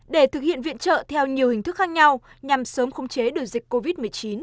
để thực hiện viện trợ theo nhiều hình thức khác nhau nhằm sớm khống chế được dịch covid một mươi chín